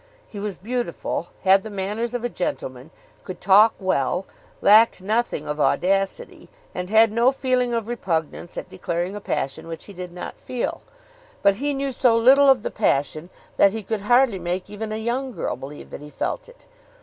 He was beautiful, had the manners of a gentleman, could talk well, lacked nothing of audacity, and had no feeling of repugnance at declaring a passion which he did not feel. But he knew so little of the passion, that he could hardly make even a young girl believe that he felt it.